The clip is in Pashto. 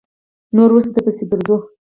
نور وروسته درپسې درځو.